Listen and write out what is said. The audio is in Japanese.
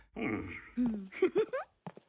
フフフ。